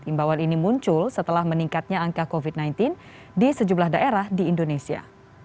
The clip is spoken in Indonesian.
imbawan ini muncul setelah meningkatnya angka covid sembilan belas di sejumlah daerah di indonesia